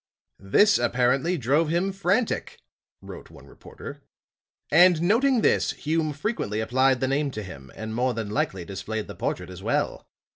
"This apparently drove him frantic," wrote one reporter, "and, noting this, Hume frequently applied the name to him, and more than likely displayed the portrait as well.